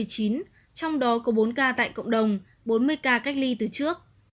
trong đó có bốn ca tại cộng đồng bốn mươi ca cách ly từ trước